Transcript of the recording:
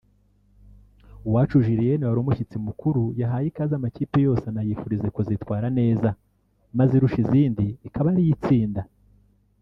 Uwacu Julienne wari umushyitsi mukuru yahaye ikaze amakipe yose anayifuriza kuzitwara neza maze irusha izindi ikaba ariyo itsinda